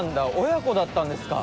親子だったんですか。